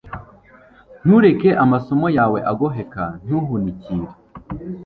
Ntureke amaso yawe agoheka Ntuhunikire